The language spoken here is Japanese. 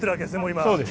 今。